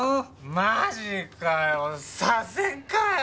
マジかよ左遷かよ。